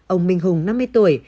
ông minh hùng năm mươi tuổi